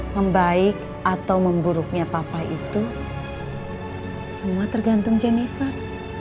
membaik atau memburuknya papa itu semua tergantung jennifer